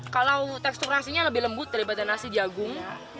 kalau teksturasinya lebih lembut daripada nasi jagung